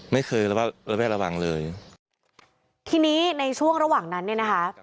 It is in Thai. ไม่เคยระวัดระแวดระวังเลยทีนี้ในช่วงระหว่างนั้นเนี่ยนะคะ